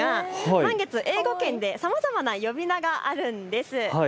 満月、英語圏でさまざまな呼び名があるんです。